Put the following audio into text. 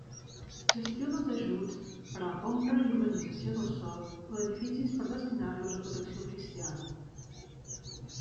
Gestiona els ajuts per a la compra i urbanització del sòl o d'edificis per destinar-los a protecció oficial.